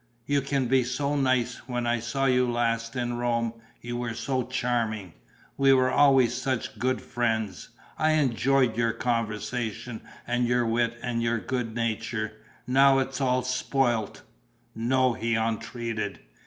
You can be so nice; when I saw you last in Rome you were so charming. We were always such good friends. I enjoyed your conversation and your wit and your good nature. Now it's all spoilt." "No," he entreated.